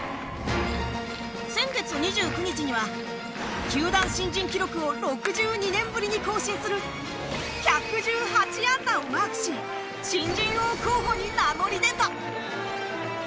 先月２９日には球団新人記録を６２年ぶりに更新する１１８安打をマークし新人王候補に名乗り出た。